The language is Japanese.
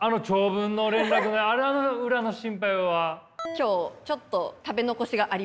今日ちょっと食べ残しがありました。